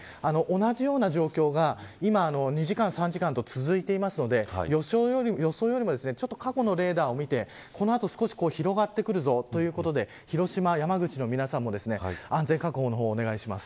同じような状況が今、２時間、３時間続いているので予想よりも過去のレーダーを見てこの後、広がってくるぞということで広島、山口の皆さんも安全確保をお願いします。